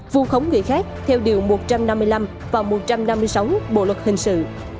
vu khống người khác theo điều một trăm năm mươi năm và một trăm năm mươi sáu bộ luật hình sự